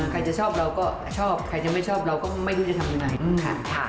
ใครจะชอบเราก็ชอบใครจะไม่ชอบเราก็ไม่รู้จะทำยังไง